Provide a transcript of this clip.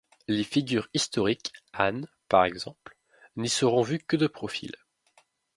Les figures historiques, Anne, par exemple, n’y seront vues que de profil.